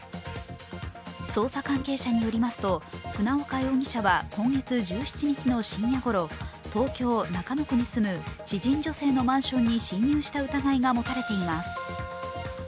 捜査関係者によりますと船岡容疑者は今月１７日の深夜ごろ、東京・中野区に住む知人女性のマンションに侵入した疑いが持たれています。